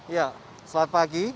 ya selamat pagi